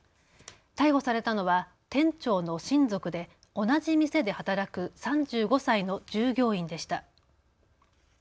逮捕されたのは店長の親族で同じ店で働く３５歳の従業員でした。